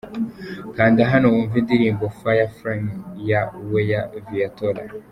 Kanda hano wumve indirimbo’Fireflame’ ya Weya Viatora .